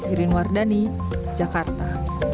irin wardhani jakarta